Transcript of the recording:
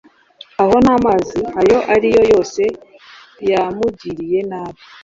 Aho nta mazi ayo ari yo yose yamugiriye nabi